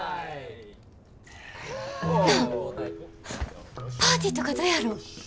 なあパーティーとかどやろ？